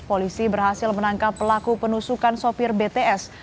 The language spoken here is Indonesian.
polisi berhasil menangkap pelaku penusukan sopir bts